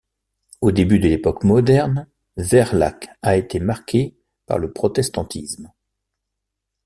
Au début de l’époque moderne Verlhac a été marquée par le protestantisme.